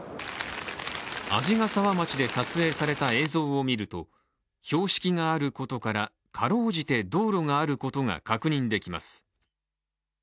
鰺ヶ沢町で撮影された映像を見ると標識があることから、辛うじて道路があることが確認できます。